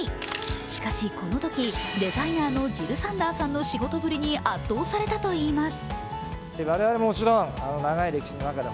しかし、このときデザイナーのジル・サンダーさんの仕事ぶりに圧倒されたといいます。